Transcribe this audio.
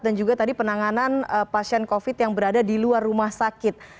dan juga tadi penanganan pasien covid yang berada di luar rumah sakit